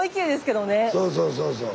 そうそうそうそう。